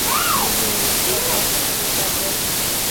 যদি এগুলো কথা বলতে পারে।